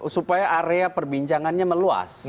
supaya area perbincangannya meluas